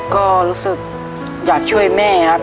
ก็รู้สึกอยากช่วยแม่ครับ